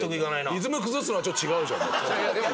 リズム崩すのはちょっと違うじゃんだって。